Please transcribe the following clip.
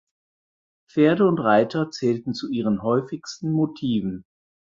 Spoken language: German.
Pferde und Reiter zählten zu ihren häufigsten Motiven.